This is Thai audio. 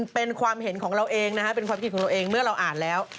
เป็นความเห็นของเราเองนะฮะเป็นความคิดของเราเองเมื่อเราอ่านแล้ว